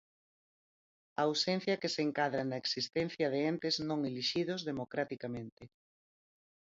Ausencia que se encadra na existencia de entes non elixidos democraticamente.